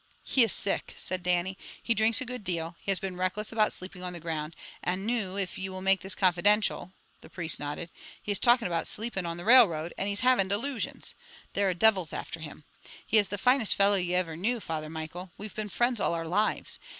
"He is sick," said Dannie. "He drinks a guid deal. He has been reckless about sleeping on the ground, and noo, if ye will make this confidential?" the priest nodded "he is talking aboot sleeping on the railroad, and he's having delusions. There are devils after him. He is the finest fellow ye ever knew, Father Michael. We've been friends all our lives.